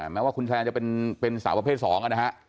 แม้ว่าคุณแซนจะเป็นสาวประเภท๒นะฮะ